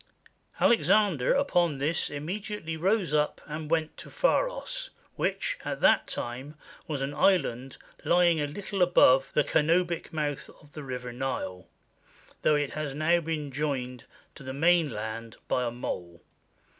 Alexander upon this immediately rose up and went to Pharos, which, at that time, was an island lying a little above the Canobic mouth of the river Nile, though it has now been joined to the main land by a mole.